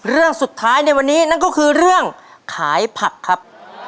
เรื่องสุดท้ายในวันนี้นั่นก็คือเรื่องขายผักครับ